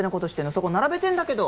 そこ並べてんだけど。